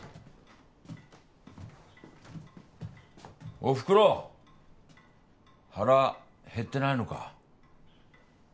おふくろ腹減ってないのか？